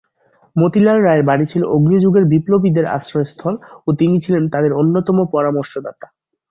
মতিলাল রায়ের বাড়ি ছিল অগ্নিযুগের বিপ্লবীদের আশ্রয়স্থল ও তিনি ছিলেন তাদের অন্যতম পরামর্শদাতা।